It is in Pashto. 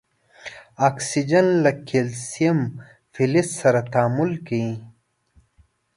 اکسیجن له کلسیم فلز سره تعامل کوي.